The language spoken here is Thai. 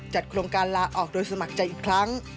โครงการลาออกโดยสมัครใจอีกครั้ง